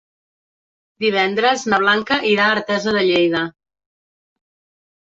Divendres na Blanca irà a Artesa de Lleida.